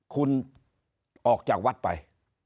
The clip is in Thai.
คุณออกจากวัดไป